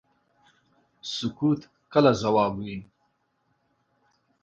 سکوت کله ځواب وي.